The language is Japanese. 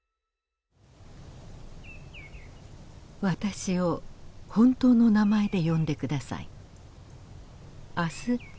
「私を本当の名前で呼んでください明日